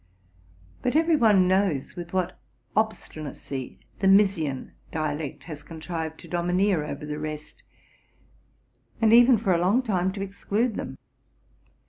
But every one knows with what obstinacy the Misnian dialect has contrived to domineer over the rest, and even, for a long time, to exclude them.